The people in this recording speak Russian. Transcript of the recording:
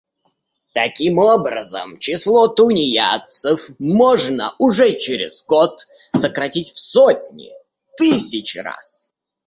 Таким образом, число тунеядцев можно уже через год сократить в сотни, тысячи раз.